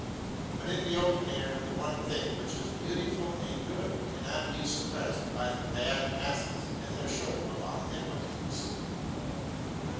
But in the open air the one thing which is beautiful and good cannot be suppressed by the bad masses and their show of omnipotence.